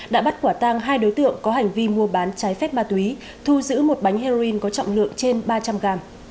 đã bắt quả tang hai đối tượng có hành vi mua bán trái phép ma túy thu giữ một bánh heroin có trọng lượng trên ba trăm linh g